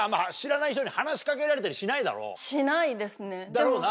だろうな。